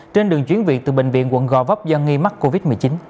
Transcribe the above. trên đường chuyến viện từ bệnh viện quận gò vấp do nghi mắc covid một mươi chín